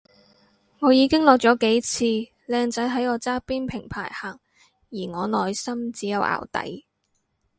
我已經落咗幾次，靚仔喺我側邊平排行而我內心只有淆底